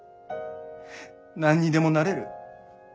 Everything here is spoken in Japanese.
「何にでもなれる。